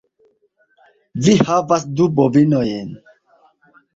Vi havas du bovinojn.